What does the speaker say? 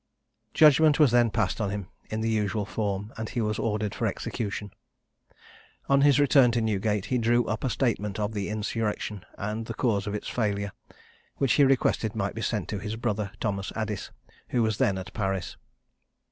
Judgment was then passed on him in the usual form, and he was ordered for execution. On his return to Newgate he drew up a statement of the insurrection, and the cause of its failure, which he requested might be sent to his brother, Thomas Addis, who was then at Paris.